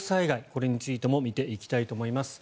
これについても見ていきたいと思います。